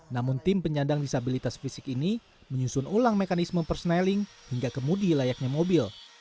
namun tim penyandang disabilitas fisik ini menyusun ulang mekanisme perseneling hingga kemudi layaknya mobil